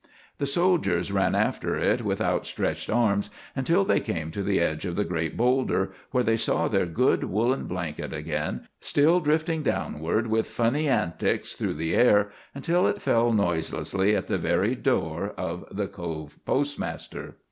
The soldiers ran after it with outstretched arms until they came to the edge of the great boulder, where they saw their good woolen blanket again, still drifting downward with funny antics through the air, until it fell noiselessly at the very door of the Cove postmaster.